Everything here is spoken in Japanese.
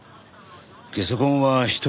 ゲソ痕は１人？